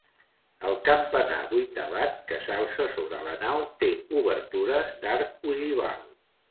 El campanar vuitavat que s'alça sobre la nau té obertures d'arc ogival.